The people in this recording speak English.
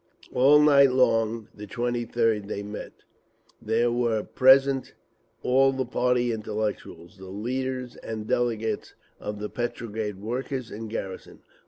All night long the 23d they met. There were present all the party intellectuals, the leaders—and delegates of the Petrograd workers and garrison.